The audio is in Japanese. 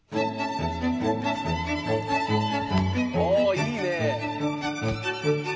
あいいね。